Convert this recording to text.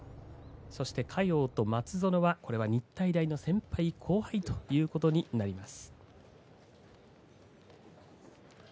そして嘉陽と松園は日体大の先輩後輩の取組となります。